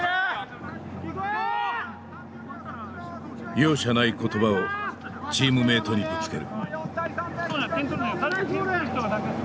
容赦ない言葉をチームメートにぶつける。